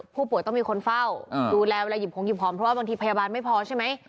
ผู้ป่วยต้องมีคนเฝ้าดูแลเวลาหยิบของหยิบหอมเพราะว่าบางทีพยาบาลไม่พอใช่ไหม